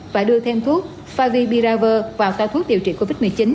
và đưa thêm thuốc favipiravir vào tàu thuốc điều trị covid một mươi chín